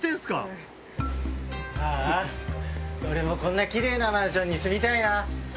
ああ俺もこんなキレイなマンションに住みたいな。